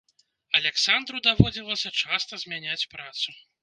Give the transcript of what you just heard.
Аляксандру даводзілася часта змяняць працу.